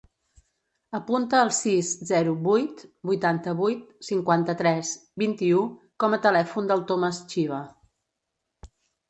Apunta el sis, zero, vuit, vuitanta-vuit, cinquanta-tres, vint-i-u com a telèfon del Thomas Chiva.